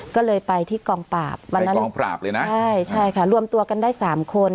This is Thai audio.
ก็เลยไปที่กองปราบวันนั้นกองปราบเลยนะใช่ใช่ค่ะรวมตัวกันได้สามคน